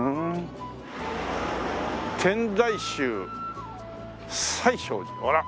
「天台宗最勝寺」ほら。